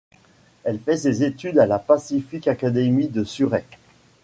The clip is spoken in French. Elle fait ses études à la Pacific Academy de Surrey.